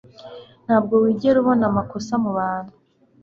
Ntabwo wigera ubona amakosa mubantu.